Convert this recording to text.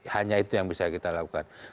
hanya itu yang bisa kita lakukan